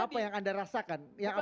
apa yang anda rasakan